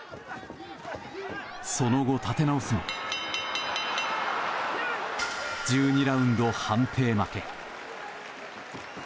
その後、立て直すも１２ラウンド判定負け。